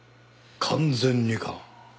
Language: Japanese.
完全にか。